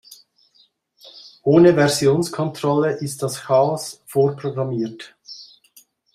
Ohne Versionskontrolle ist das Chaos vorprogrammiert.